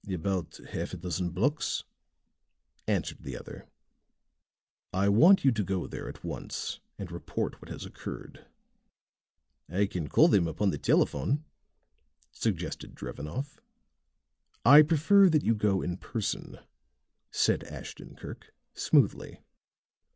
"About half a dozen blocks," answered the other. "I want you to go there at once and report what has occurred." "I can call them upon the telephone," suggested Drevenoff. "I prefer that you go in person," said Ashton Kirk, smoothly.